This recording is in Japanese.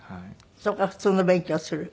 そこから普通の勉強をする？